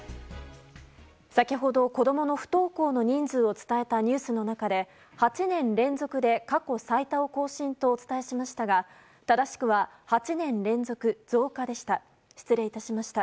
先ほど子供の不登校の人数を伝えたニュースの中で、８年連続で過去最多を更新とお伝えしましたが正しくは８年連続増加でした。